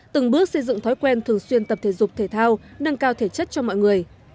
từng bước xây dựng thói quen thường xuyên tập thể dục thể thao nâng cao thể chất cho mọi người